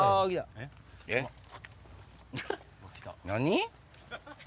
何？